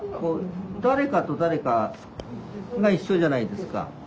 誰かと誰かが一緒じゃないですか。